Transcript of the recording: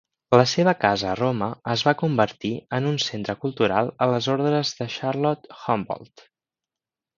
La seva casa a Roma es va convertir en un centre cultural a les ordres de Charlotte Humboldt.